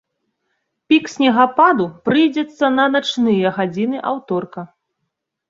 Пік снегападу прыйдзецца на начныя гадзіны аўторка.